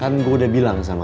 kan gue udah bilangnya banyak